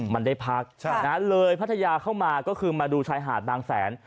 มันได้พักเลยพัทยาเข้ามาก็คือมาดูชายหาดบางแสน